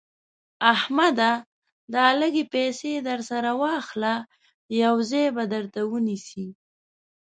احمده دا لږ پيسې در سره واخله؛ يو ځای به درته ونيسي.